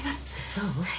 そう？